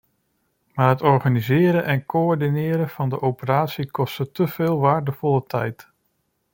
Maar het organiseren en coördineren van de operatie kostte te veel waardevolle tijd.